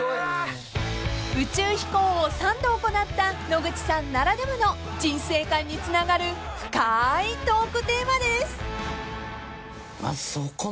［宇宙飛行を３度行った野口さんならではの人生観につながる深いトークテーマです］